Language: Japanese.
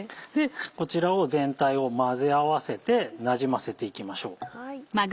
こちらを全体を混ぜ合わせてなじませていきましょう。